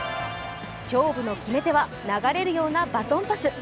勝負の決め手は流れるようなバトンパス。